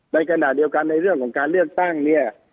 ในขณะเดียวกันในเรื่องของการเลือกตั้งเนี่ย